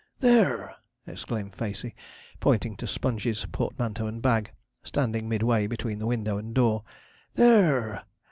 'There!' exclaimed Facey, pointing to Sponge's portmanteau and bag, standing midway between the window and door: 'There!